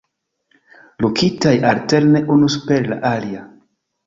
Lokitaj alterne unu super la alia.